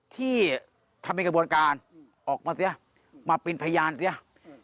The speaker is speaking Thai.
ที่ทำเป็นกระบวนการออกมาเสียมาเป็นพยานเสีย